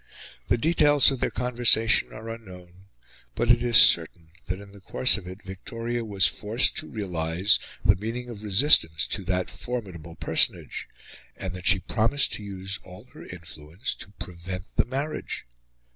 The details of their conversation are unknown; but it is certain that in the course of it Victoria was forced to realise the meaning of resistance to that formidable personage, and that she promised to use all her influence to prevent the marriage.